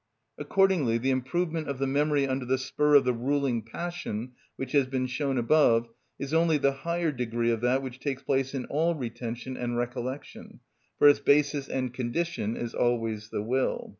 Accordingly the improvement of the memory under the spur of the ruling passion, which has been shown above, is only the higher degree of that which takes place in all retention and recollection; for its basis and condition is always the will.